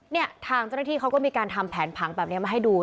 เนี่ยทางเจ้าหน้าที่เขาก็มีการทำแผนผังแบบนี้มาให้ดู